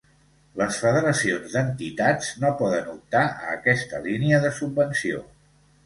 Les federacions d'entitats no poden optar a aquesta línia de subvenció.